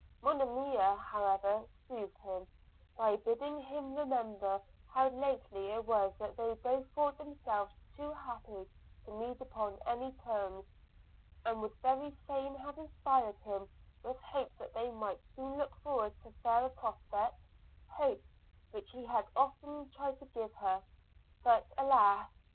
Monimia, however, soothed him, by bidding him remember how lately it was that they both thought themselves too happy to meet upon any terms; and would very fain have inspired him with hopes that they might soon look forward to fairer prospects, hopes which he had often tried to give her. But, alas!